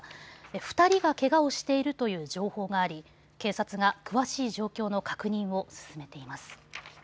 ２人がけがをしているという情報があり警察が詳しい状況の確認を進めています。